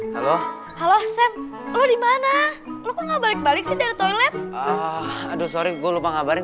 halo halo sam lu dimana lu nggak balik balik dari toilet ah aduh sorry gue lupa ngabarin